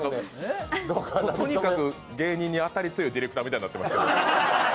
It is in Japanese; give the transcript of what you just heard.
とにかく芸人に当たり強いＡＤさんみたいになってますから。